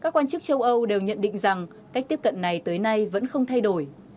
các quan chức châu âu đều nhận định rằng cách tiếp cận này tới nay vẫn không thay đổi